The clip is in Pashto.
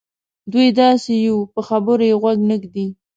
دوی داسې یوو په خبرو یې غوږ نه ږدي.